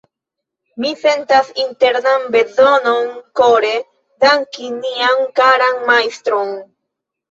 Mi sentas internan bezonon kore danki nian karan Majstron.